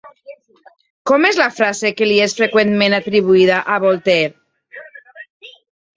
Com és la frase que li és freqüentment atribuïda a Voltaire?